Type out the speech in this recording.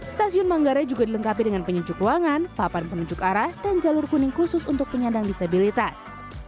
stasiun manggarai juga dilengkapi dengan penyucuk ruangan papan penunjuk arah dan jalur kuning khusus untuk penyandang disabilitas